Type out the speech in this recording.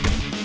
ya udah bang